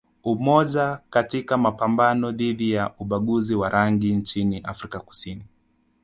Umoja katika mapambano dhidi ya ubaguzi wa rangi nchini Afrika Kusini